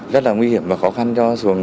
rất là nguy hiểm và khó khăn cho xuồng